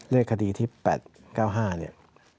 เลขคดีที่๘๙๕เนี่ย